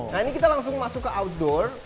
nah ini kita langsung masuk ke outdoor